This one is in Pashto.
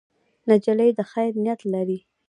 نجلۍ د خیر نیت لري.